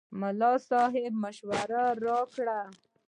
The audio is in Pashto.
ملا صاحب مشوره راکړه.